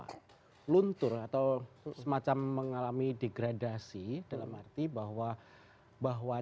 tolong semacam mengalami digresasi dalam arti bahwa